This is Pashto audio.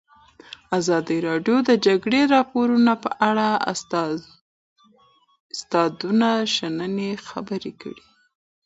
ازادي راډیو د د جګړې راپورونه په اړه د استادانو شننې خپرې کړي.